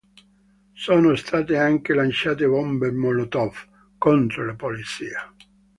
Sono state anche lanciate bombe molotov contro la polizia.